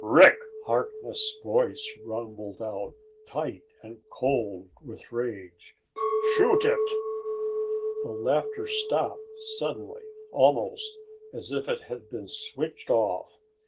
"Rick!" Harkness' voice rumbled out, tight and cold with rage. "Shoot it!" The laughter stopped suddenly, almost as if it had been switched off.